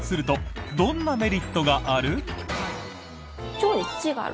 腸に土がある。